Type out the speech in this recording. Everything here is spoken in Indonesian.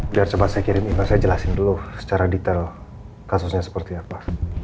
biar coba saya kirim ima saya jelasin dulu secara detail kasusnya seperti apa